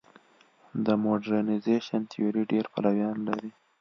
د موډرنیزېشن تیوري ډېر پلویان لري.